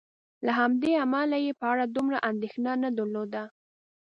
له همدې امله یې په اړه دومره اندېښنه نه درلودله.